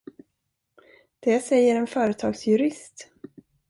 Det säger en företagsjurist.